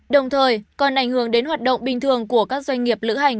đồng thời còn ảnh hưởng đến hoạt động bình thường của các doanh nghiệp lữ hành